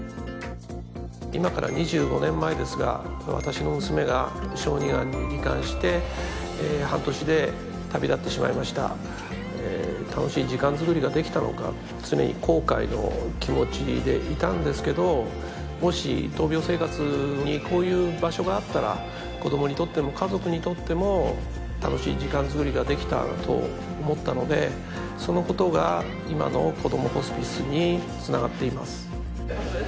今から２５年前ですが私の娘が小児がんにり患して半年で旅立ってしまいました楽しい時間作りができたのか常に後悔の気持ちでいたんですけどもし闘病生活にこういう場所があったら子供にとっても家族にとっても楽しい時間作りができたと思ったのでそのことが今のこどもホスピスにつながっています